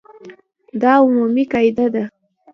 دا عمومي قاعده ده.